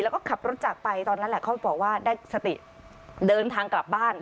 แล้วก็ขับรถจากไปตอนนั้นแหละเขาบอกว่าได้สติเดินทางกลับบ้าน